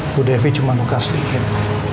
bu devi cuma duka sedikit